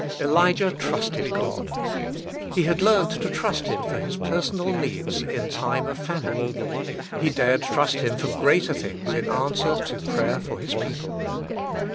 Elijah Trusted God. He had learned to trust Him for His personal The Intercessor i6o needs in the time of famine; he dared trust Him for greater things in answer to prayer for His people.